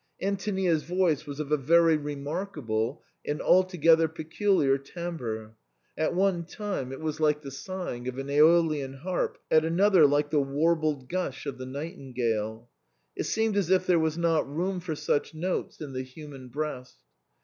Antonia's voice was of a very re markable and altogether peculiar timbre, at one time it was like the sighing of an iEolian harp, at another like the warbled gush of the nightingale. It seemed as if there was not room for such notes in the human breast.